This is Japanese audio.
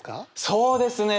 そうですね！